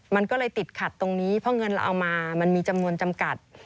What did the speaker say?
มันก็เลยติดขัดตรงนี้เพราะเงินเราเอามามันมีจำนวนจำกัด